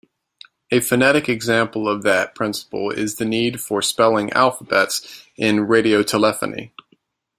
A phonetic example of that principle is the need for spelling alphabets in radiotelephony.